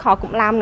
họ cũng làm